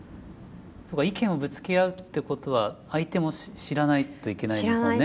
そうか意見をぶつけ合うってことは相手も知らないといけないですもんね。